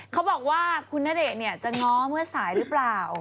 เขาบอกว่าคุณณเดชน์จะง้อเมื่อสายหรือเปล่า